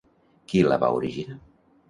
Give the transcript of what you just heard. Qui la va originar?